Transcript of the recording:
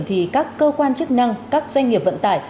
thì các cơ quan chức năng các doanh nghiệp vận tải